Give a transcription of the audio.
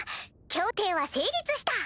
協定は成立した！